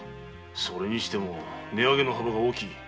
それにしても値上げの幅が大きい。